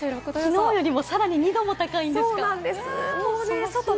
昨日よりもさらに２度高いんですか？